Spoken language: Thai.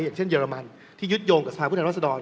อย่างเช่นเรมันที่ยึดโยงกับสภาพผู้แทนรัศดร